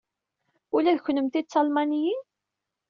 Ula d kennemti d Talmaniyin?